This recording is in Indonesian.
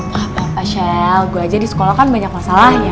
wah bapak shell gue aja di sekolah kan banyak masalahnya